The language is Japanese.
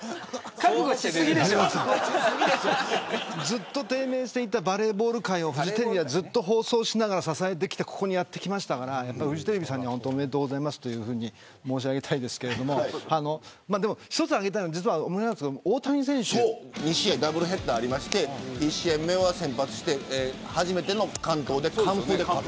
ずっと低迷していたバレーボール界をフジテレビがずっと放送しながら支えてきてここにやってきましたからフジテレビさんにはおめでとうございますと申し上げたいですけど２試合ダブルヘッダーがあって１試合目は先発して初めての完投で完封。